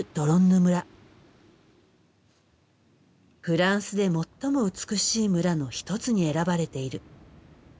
「フランスで最も美しい村」の一つに選ばれている。